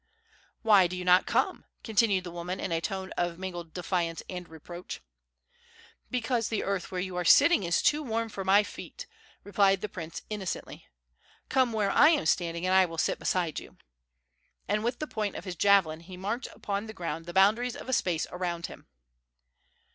"Why do you not come?" continued the woman in a tone of mingled defiance and reproach. "Because the earth where you are sitting is too warm for my feet," replied the prince, innocently. "Come where I am standing, and I will sit beside you." And with the point of his javelin he marked upon the ground the boundaries of a space around him.